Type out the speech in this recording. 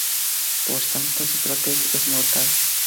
Por tanto, Sócrates es mortal".